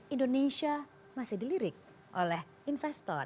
indonesia masih dilirik oleh investor